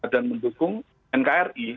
dan mendukung nkri